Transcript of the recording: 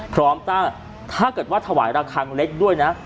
พร้อมตั้งถ้าเกิดว่าถวายระคังเล็กด้วยนะ